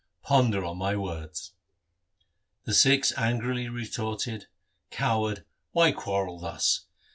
Ponder on my words.' The Sikhs angrily retorted, ' Coward, why quarrel thus